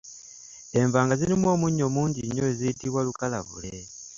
Enva nga zirimu omunnyo mungi nnyo ziyitibwa lukalabule.